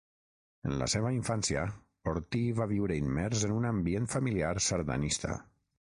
En la seva infància, Ortí va viure immers en un ambient familiar sardanista.